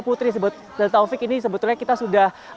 putri dan taufik ini sebetulnya kita sudah